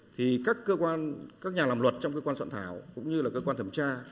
thì các nhà làm luật trong cơ quan soạn thảo cũng như là cơ quan thẩm tra